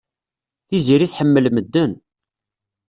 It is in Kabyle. Tiziri tḥemmel medden.